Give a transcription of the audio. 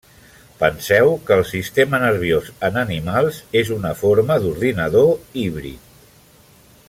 Penseu que el sistema nerviós en animals és una forma d'ordinador híbrid.